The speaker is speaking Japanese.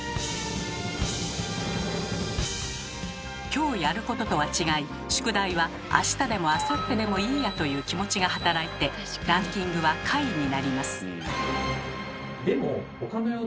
きょうやることとは違い宿題は「あしたでもあさってでもいいや」という気持ちが働いてランキングは下位になります。